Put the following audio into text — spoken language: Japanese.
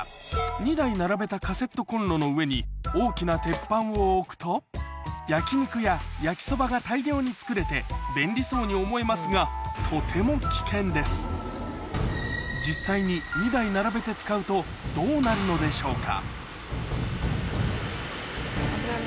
２台並べたカセットコンロの上に大きな鉄板を置くと焼き肉や焼きそばが大量に作れて便利そうに思えますがとても危険です実際に２台並べて使うとどうなるのでしょうか？